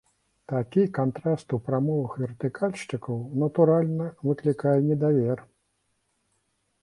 Такі кантраст у прамовах вертыкальшчыкаў, натуральна, выклікае недавер.